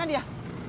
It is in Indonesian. mau kemana dia